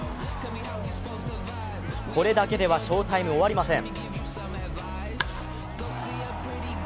これだけでは翔タイム終わりません。